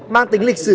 mang tính lịch sử